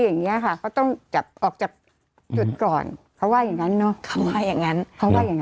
อย่างนี้ค่ะเขาต้องจับออกจากจุดก่อนเขาว่าอย่างนั้นเนาะเขา